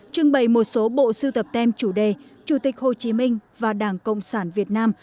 trưng bày một số bộ sưu tập tem chủ đề chủ tịch hồ chí minh và đảng cộng sản việt nam